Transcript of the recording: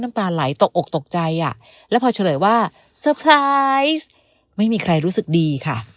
น้ำตาลไหลตกอกตกใจอ่ะแล้วพอเฉลยว่าไม่มีใครรู้สึกดีค่ะ